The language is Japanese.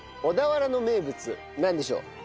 小田原の名物なんでしょう？